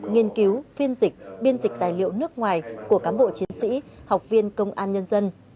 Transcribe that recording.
nghiên cứu phiên dịch biên dịch tài liệu nước ngoài của cán bộ chiến sĩ học viên công an nhân dân